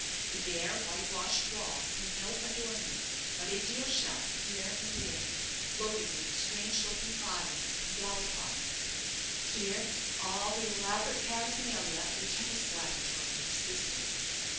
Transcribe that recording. The bare, white washed walls had no adornment but a deal shelf here and there, loaded with strange looking phials and gallipots. Here all the elaborate paraphernalia of a chemist's laboratory was visible.